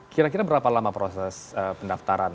kira kira berapa lama proses pendaftaran